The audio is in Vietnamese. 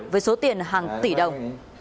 với số tiền hàng tỷ đồng